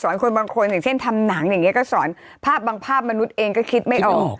คนบางคนอย่างเช่นทำหนังอย่างนี้ก็สอนภาพบางภาพมนุษย์เองก็คิดไม่ออก